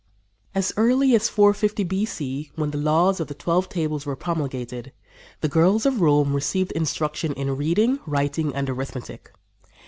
As early as 450 B.C., when the laws of the Twelve Tables were promulgated, the girls of Rome received instruction in reading, writing and arithmetic.